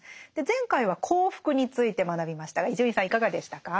前回は幸福について学びましたが伊集院さんいかがでしたか？